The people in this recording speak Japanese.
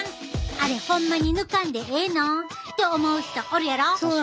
あれほんまに抜かんでええの？って思う人おるやろ？